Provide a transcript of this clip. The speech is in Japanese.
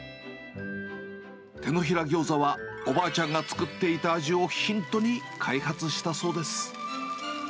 てのひらギョーザはおばあちゃんが作っていた味をヒントに開発したそうです。